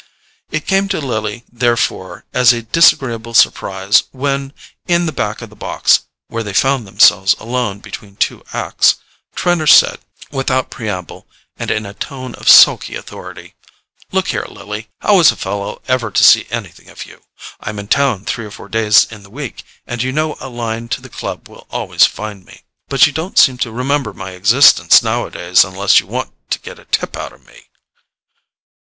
It came to Lily therefore as a disagreeable surprise when, in the back of the box, where they found themselves alone between two acts, Trenor said, without preamble, and in a tone of sulky authority: "Look here, Lily, how is a fellow ever to see anything of you? I'm in town three or four days in the week, and you know a line to the club will always find me, but you don't seem to remember my existence nowadays unless you want to get a tip out of me."